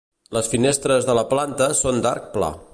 Les finestres de la planta són d'arc pla.